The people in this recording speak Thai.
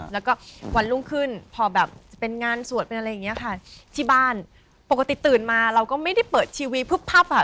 แล้วก็วันรุ่งขึ้นพอแบบจะเป็นงานสวดเป็นอะไรอย่างเงี้ยค่ะที่บ้านปกติตื่นมาเราก็ไม่ได้เปิดทีวีพึบพับอ่ะ